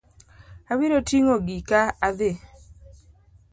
Abiro ting'o gika adhi.